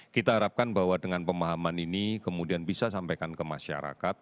kita harapkan bahwa dengan pemahaman ini kemudian bisa sampaikan ke masyarakat